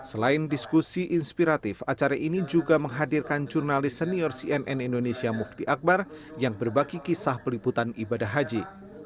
selain diskusi inspiratif acara ini juga menghadirkan jurnalis senior cnn indonesia mufti akbar yang berbagi kisah peliputan ibadah haji